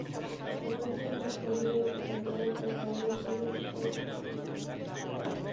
Comparte el mismo calibre, capacidad del cargador e incluso tipo de funda-culatín.